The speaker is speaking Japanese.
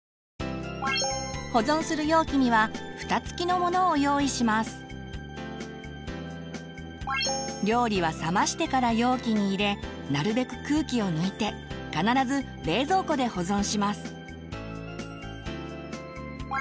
ここで料理は冷ましてから容器に入れなるべく空気を抜いて必ず冷蔵庫で保存します。